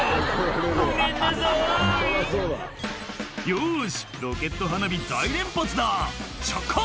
「よしロケット花火大連発だ着火！」